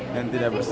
dan tidak bersih